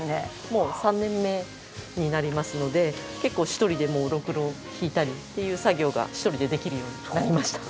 もう３年目になりますので結構ろくろをひいたりっていう作業が一人でできるようになりました。